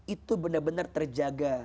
itu benar benar terjaga